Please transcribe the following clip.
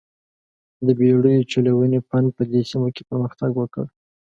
د بېړیو چلونې فن په دې سیمو کې پرمختګ وکړ.